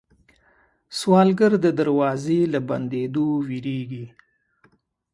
سوالګر د دروازې له بندېدو وېرېږي